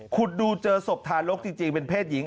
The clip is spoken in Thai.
ขุดดูเจอศพทารกจริงเป็นเพศหญิง